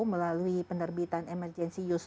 melalui penerbitan emergency use